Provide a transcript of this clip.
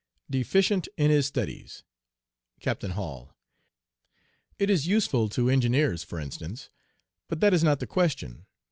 DEFICIENT IN HIS STUDIES. "CAPTAIN HALL 'It is useful to engineers, for instance. But that is not the question.